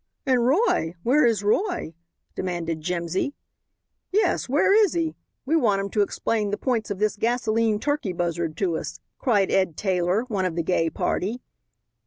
"And Roy, where is Roy?" demanded Jimsy. "Yes, where is he? We want him to explain the points of this gasolene turkey buzzard to us," cried Ed. Taylor, one of the gay party.